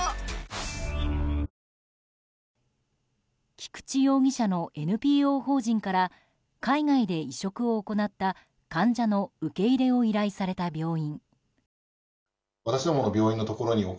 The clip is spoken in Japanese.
菊池容疑者のＮＰＯ法人から海外で移植を行った患者の受け入れを依頼された病院。